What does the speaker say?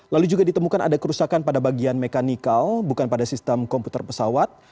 lalu juga ditemukan ada kerusakan pada bagian mekanikal bukan pada sistem komputer pesawat